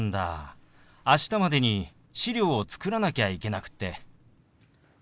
明日までに資料を作らなきゃいけなくって。